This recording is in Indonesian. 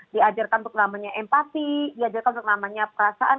diajarkan untuk namanya empati diajarkan untuk namanya perasaan